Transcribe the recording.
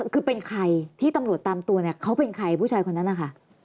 คือเป็นใครที่ตำรวจตามตัวเนี่ยเขาเป็นใครผู้ชายคนนั้นนะคะ